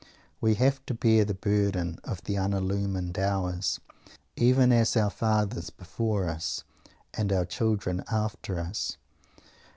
We have to bear the burden of the unillumined hours, even as our fathers before us, and our children after us.